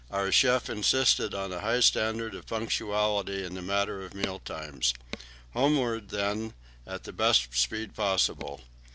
Our chef insisted on a high standard of punctuality in the matter of meal times. Homeward, then, at the best speed possible.